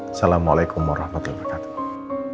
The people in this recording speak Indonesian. assalamualaikum warahmatullahi wabarakatuh